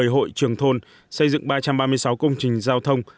một mươi hội trường thôn xây dựng ba trăm ba mươi sáu công trình giao thông